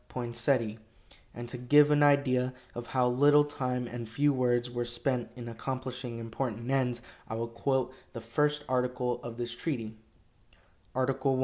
Poinsette, and to give an idea of how little time and few words were spent in accomplishing important ends, I will quote the first article of this treaty: "Article I.